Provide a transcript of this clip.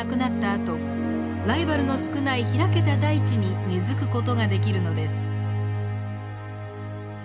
あとライバルの少ない開けた大地に根づく事ができるのです。